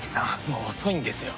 もう遅いんですよ。